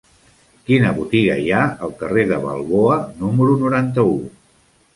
Quina botiga hi ha al carrer de Balboa número noranta-u?